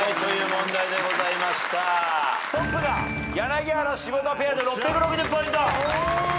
トップが柳原・柴田ペアで６６０ポイント。